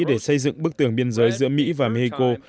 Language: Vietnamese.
để xây dựng bức tường biên giới giữa mỹ và mexico